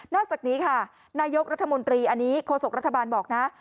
อกจากนี้ค่ะนายกรัฐมนตรีอันนี้โฆษกรัฐบาลบอกนะ